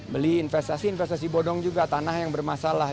beli investasi investasi bodong juga tanah yang bermasalah